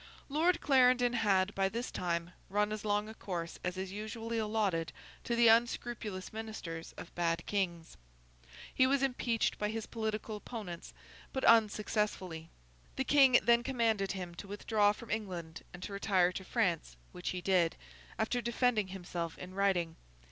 Lord Clarendon had, by this time, run as long a course as is usually allotted to the unscrupulous ministers of bad kings. He was impeached by his political opponents, but unsuccessfully. The King then commanded him to withdraw from England and retire to France, which he did, after defending himself in writing.